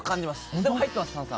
でも入ってます、炭酸。